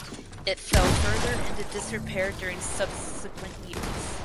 It fell further into disrepair during subsequent years.